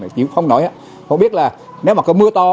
chỉ không nói không biết là nếu mà có mưa to